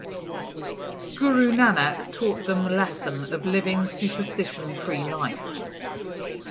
Guru Nanak taught them lesson of living superstition free life.